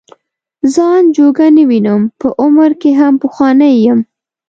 ځان جوګه نه وینم په عمر کې هم پخوانی یم.